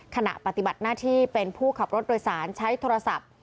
ขณะปฏิบัติหน้าที่เป็นผู้ขับรถโดยสารใช้โทรศัพท์